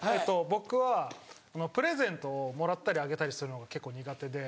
僕はプレゼントをもらったりあげたりするのが結構苦手で。